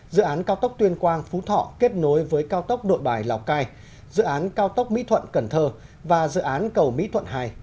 dự án cao tốc tuyên quang phú thọ kết nối với cao tốc nội bài lào cai dự án cao tốc mỹ thuận cần thơ và dự án cầu mỹ thuận hai